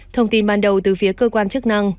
thông tin ban đầu từ phía cơ quan chức năng